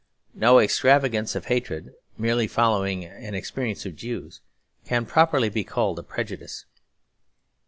No extravagance of hatred merely following on experience of Jews can properly be called a prejudice.